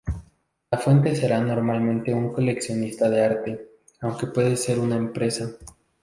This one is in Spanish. La fuente será normalmente un coleccionista de arte, aunque puede ser una empresa.